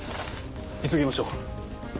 急ぎましょう。